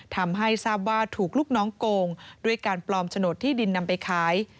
ทำให้ทราบว่าถูกลูกน้องโกงด้วยการปลอมโฉนดที่ดินนำไปขาย